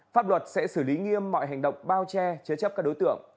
pháp luật sẽ xử lý nghiêm mọi hành động bao che chế chấp các đối tượng